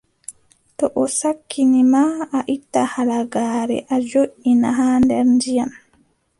To o sakkini ma, a itta halagaare a joʼina haa nder ndiyam.